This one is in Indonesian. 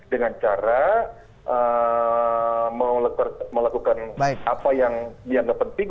dengan cara melakukan apa yang dianggap penting